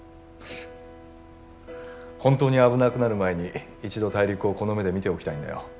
本当に危なくなる前に一度大陸をこの目で見ておきたいんだよ。